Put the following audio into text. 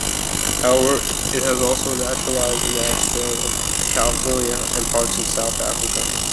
However, it has also naturalised in Australia, California and parts of South America.